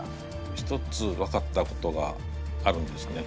一つ分かったことがあるんですね。